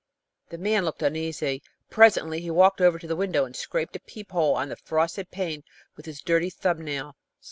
The man looked uneasy. Presently he walked over to the window and scraped a peep hole on the frosted pane with his dirty thumbnail.